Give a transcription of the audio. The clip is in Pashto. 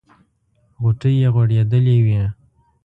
غوټۍ یې غوړېدلې وې.